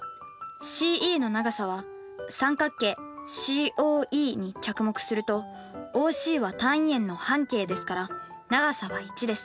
ＣＥの長さは三角形ＣＯＥに着目するとＯＣは単位円の半径ですから長さは１です。